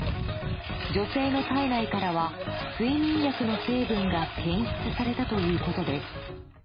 女性の体内からは睡眠薬の成分が検出されたということです。